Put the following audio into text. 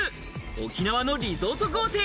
沖縄のリゾート豪邸。